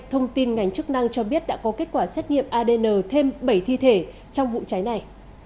thông tin ngành chức năng cho biết đã có kết quả xét nghiệm adn thêm bảy thi thể trong vụ cháy này